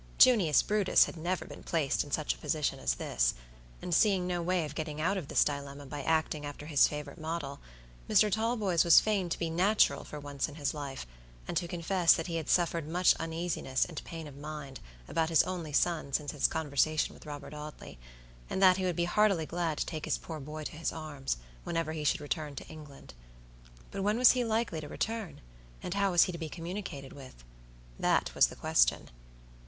Junius Brutus had never been placed in such a position as this, and seeing no way of getting out of this dilemma by acting after his favorite model, Mr. Talboys was fain to be natural for once in his life, and to confess that he had suffered much uneasiness and pain of mind about his only son since his conversation with Robert Audley, and that he would be heartily glad to take his poor boy to his arms, whenever he should return to England. But when was he likely to return? and how was he to be communicated with? That was the question.